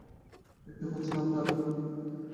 দেখতে পাচ্ছেন আপনারা?